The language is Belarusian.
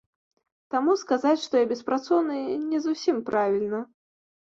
Таму сказаць, што я беспрацоўны, не зусім правільна.